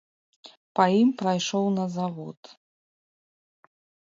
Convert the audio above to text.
Па ім прайшоў на завод.